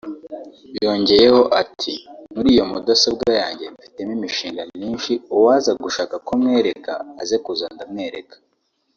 yongeyeho ati “[…] muri iyo mudasobwa yanjye mfitemo imishinga myinshi uwaza gushaka ko mwereka aze kuza ndamwereka